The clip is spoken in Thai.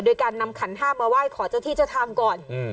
โดยการนำขันห้ามาไหว้ขอเจ้าที่เจ้าทางก่อน